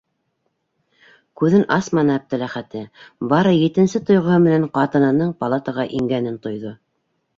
Күҙен асманы Әптеләхәте, бары етенсе тойғоһо менән ҡатынының палатаға ингәнен тойҙо.